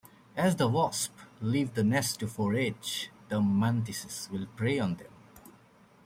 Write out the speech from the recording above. As the wasps leave the nest to forage, the mantises will prey on them.